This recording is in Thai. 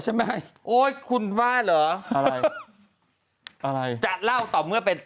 ใช่ไหมโอ้ยคุณว่าเหรออะไรอะไรจะเล่าต่อเมื่อเป็น